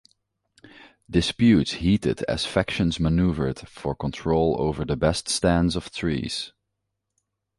Disputes heated as factions maneuvered for control over the best stands of trees.